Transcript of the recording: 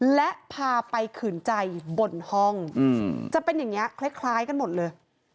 และพาไปขืนใจบนห้องจะเป็นอย่างนี้คล้ายกันหมดเลย